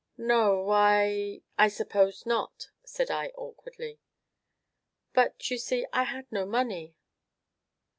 "No, I I supposed not," said I awkwardly. "But, you see, I had no money."